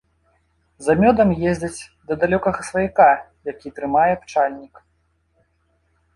За мёдам ездзяць да далёкага сваяка, які трымае пчальнік.